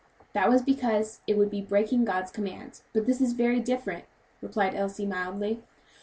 "That was because it would have been breaking God's command; but this is very different," replied Elsie, mildly.